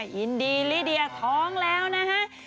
ยินดีรีดีอาท้องแล้วนะฮะ